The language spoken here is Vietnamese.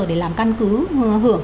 để làm căn cứ hưởng